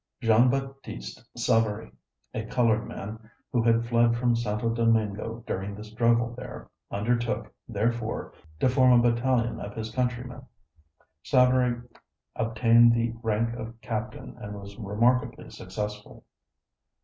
Jean Baptiste Savary, a colored man who had fled from Santo Domingo during the struggle there, undertook, therefore, to form a battalion of his countrymen. Savary obtained the rank of captain, and was remarkably successful.